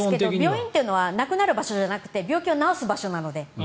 病院というのは亡くなる場所じゃなくて病気を治す場所なので。